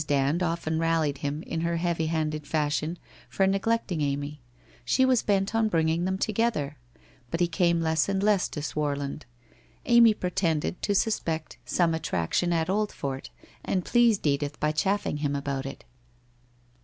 Dand often rallied him in her heavy handed fashion for neglecting Amy. She was bent on bringing them together. But he came less and less to Swarland. Amy pretended to suspect 154 WHITE ROSE OF WEARY LEAF some attraction at Oldfort, and pleased Edith by chaffing him about it.